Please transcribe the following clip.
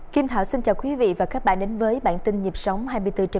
kim thảo xin chào quý vị và các bạn đến với bản tin nhịp sống hai mươi bốn h